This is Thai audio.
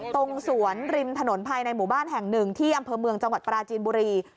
ตรงสวนริมถนนภายในหมู่บ้านแห่งหนึ่งที่อำเภอเมืองจังหวัดปราจีนบุรี